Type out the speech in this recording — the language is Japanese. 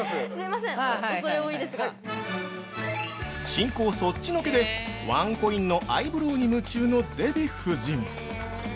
◆進行そっちのけでワンコインのアイブロウに夢中のデヴィ夫人